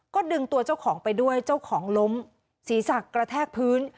ก็ดึงตัวเจ้าของไปด้วยเจ้าของล้มศีรษะกระแทกพื้น